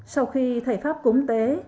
sau khi thầy pháp cúng tế